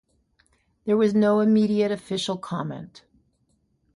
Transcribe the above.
There was no immediate official comment.